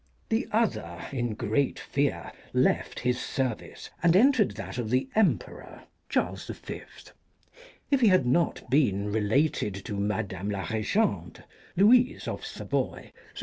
The other, in great fear, left his service and entered that of the Emperor (Charles V. ). If he had not been related to Madame la Regente (Louise of Savoy), through 224 THE HEPTAMERON.